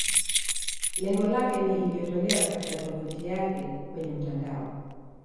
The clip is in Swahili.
Lengo lake ni iliyotolewa katika tovuti yake kwenye mtandao.